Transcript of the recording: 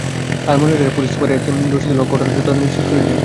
লালমনিরহাটের police super S M Rashidul Haque ঘটনার সত্যতা নিশ্চিত করেছেন।